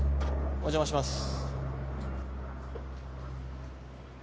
お邪魔します。